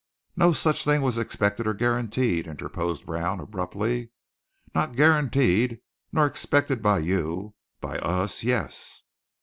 "No such thing was expected or guaranteed," interposed Brown abruptly. "Not guaranteed, nor expected by you by us, yes."